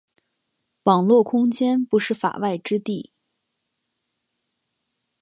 网络空间不是“法外之地”。